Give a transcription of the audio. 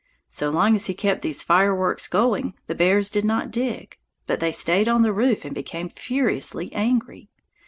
So long as he kept these fireworks going, the bears did not dig; but they stayed on the roof and became furiously angry.